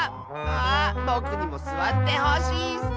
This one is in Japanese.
ああぼくにもすわってほしいッス。